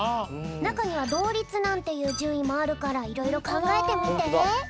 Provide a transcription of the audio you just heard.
なかにはどうりつなんていうじゅんいもあるからいろいろかんがえてみて。